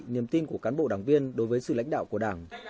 niềm tin của cán bộ đảng viên đối với sự lãnh đạo của đảng